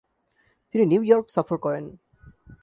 তিনি New York সফর করেন।